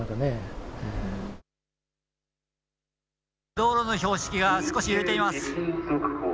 道路の標識が少し揺れています。